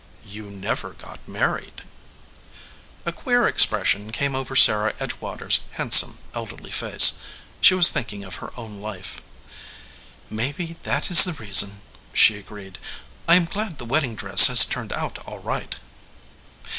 "You never got married." A queer expression came over Sarah Edge water s handsome elderly face. She was thinking of her own life. "Maybe that is the reason," she agreed. "I am glad the wedding dress has turned out all right."